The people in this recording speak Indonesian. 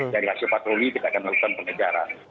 dari hasil patroli kita akan melakukan pengejaran